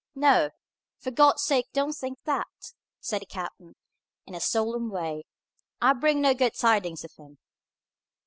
"No! For God's sake, don't think that!" said the captain, in a solemn way; "I bring no good tidings of him."